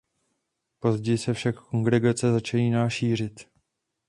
Později se však kongregace začíná šířit.